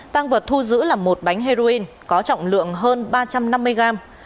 tăng vật thu giữ là một bánh heroin có trọng lượng hơn ba trăm năm mươi gram